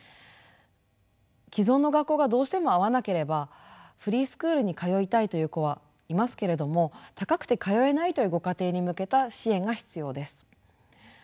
既存の学校がどうしても合わなければフリースクールに通いたいという子はいますけれども高くて通えないというご家庭に向けた支援が必要です。